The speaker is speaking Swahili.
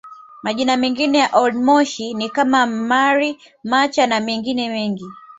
Majina mengine ya Old Moshi ni kama Mmari Macha na mengine mengi